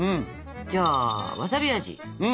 じゃあわさび味。